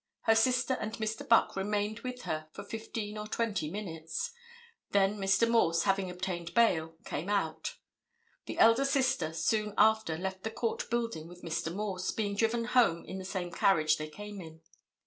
Her sister and Mr. Buck remained with her for fifteen or twenty minutes. Then Mr. Morse, having obtained bail, came out. The elder sister soon after left the court building with Mr. Morse, being driven home in the same carriage they came in.